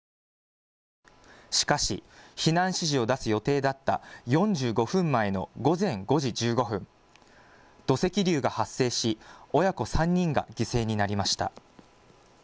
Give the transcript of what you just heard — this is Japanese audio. しかし避難指示を出す予定だった４５分前の午前５時１５分、土石流が発生し親子３人が犠牲になりました。